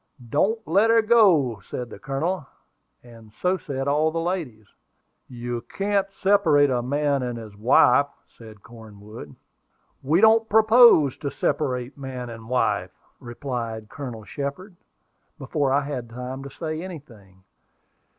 "Don't let her go," said the Colonel; and so said all the ladies. "You can't separate man and wife," said Cornwood. "We don't propose to separate man and wife," replied Colonel Shepard, before I had time to say anything.